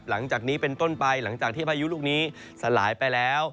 หลังจากนี้เป็นต้นไปหลังจากที่พายุลูกนี้สลายไปแล้ว